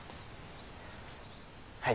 はい。